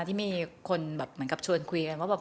ที่มีคนแบบเหมือนกับชวนคุยกันว่า